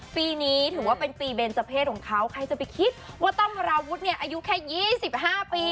ปีนี้ถือว่าเป็นปีเบนเจอร์เพศของเขาใครจะไปคิดว่าตั้มวราวุฒิเนี่ยอายุแค่๒๕ปี